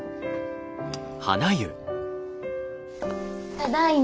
ただいま。